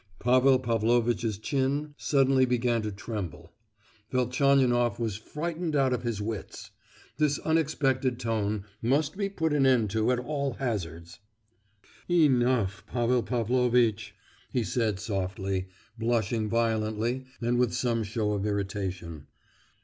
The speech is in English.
Pavel Pavlovitch's chin suddenly began to tremble. Velchaninoff was frightened out of his wits. This unexpected tone must be put an end to at all hazards. "Enough, Pavel Pavlovitch!" he said softly, blushing violently and with some show of irritation.